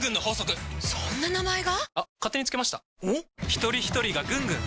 ひとりひとりがぐんぐん！